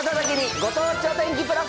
ご当地お天気プラス。